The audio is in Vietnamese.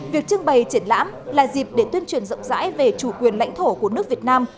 việc trưng bày triển lãm là dịp để tuyên truyền rộng rãi về chủ quyền lãnh thổ của nước việt nam